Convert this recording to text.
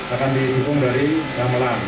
akan dihukum dari ramelan